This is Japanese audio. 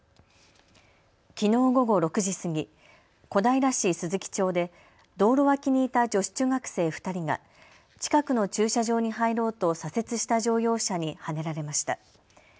きのう午後６時過ぎ、小平市鈴木町で道路脇にいた女子中学生２人が近くの駐車場に入ろうと左折した乗用車にはねられました。